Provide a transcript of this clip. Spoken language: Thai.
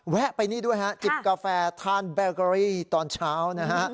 ไปนี่ด้วยฮะจิบกาแฟทานแบเกอรี่ตอนเช้านะฮะ